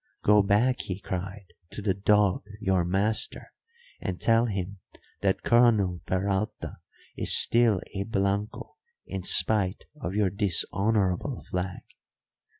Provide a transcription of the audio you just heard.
'Go back,' he cried, 'to the dog, your master, and tell him that Colonel Peralta is still a Blanco in spite of your dishonourable flag.